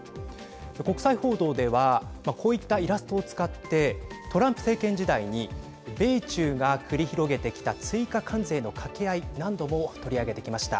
国際報道ではこういったイラストを使ってトランプ政権時代に米中が繰り広げてきた追加関税のかけあい何度も取り上げてきました。